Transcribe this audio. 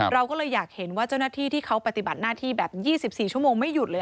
เราก็เลยอยากเห็นว่าเจ้าหน้าที่ที่เขาปฏิบัติหน้าที่แบบ๒๔ชั่วโมงไม่หยุดเลย